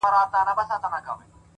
خود نو په دغه يو سفر كي جادو.!